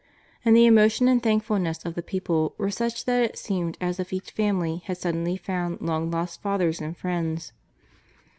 And the emotion and thank fulness of the people were such that it seemed as if «ach family had suddenly found long lost fathers and friends.